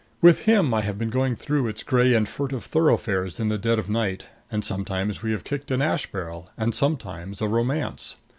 With him I have been going through its gray and furtive thoroughfares in the dead of night, and sometimes we have kicked an ash barrel and sometimes a romance.